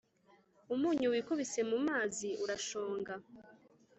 umunyu wikubise mu mazi urashonga,